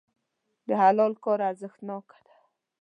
د حلال کار ارزښتناک دی.